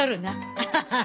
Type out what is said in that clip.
アハハハハ。